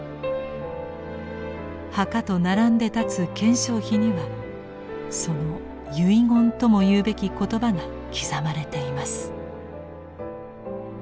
墓と並んで立つ顕彰碑にはその遺言とも言うべき言葉が刻まれています。